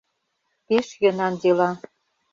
Пеш йӧнан «дела».